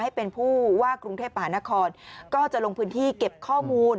ให้เป็นผู้ว่ากรุงเทพมหานครก็จะลงพื้นที่เก็บข้อมูล